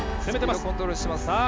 攻めてます！